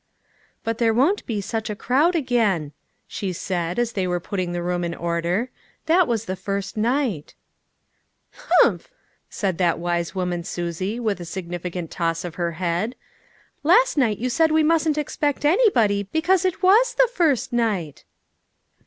"But there won't be such a crowd again," she said as they were putting the room in order, u that was the first night." 384 LITTLE FISHEES: AND THEIR NETS. "Humph!" said that wise woman Susie with a significant toss of her head ;" last night you said we mustn't expect anybody because it was the first night."